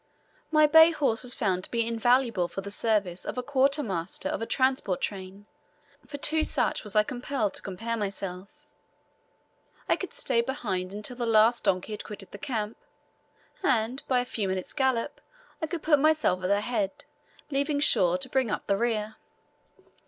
My bay horse was found to be invaluable for the service of a quarter master of a transport train; for to such was I compelled to compare myself. I could stay behind until the last donkey had quitted the camp, and, by a few minutes' gallop, I could put myself at the head, leaving Shaw to bring up the rear.